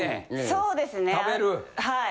そうですねはい。